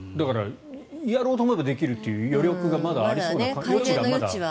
やろうと思えばできるという余力がまだありそうな余地が。